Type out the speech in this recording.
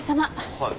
はい。